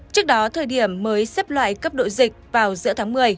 trước đó thời điểm mới xếp loại cấp đội dịch vào giữa tháng một mươi